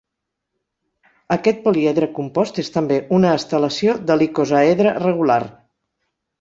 Aquest políedre compost és també una estelació de l'icosaedre regular.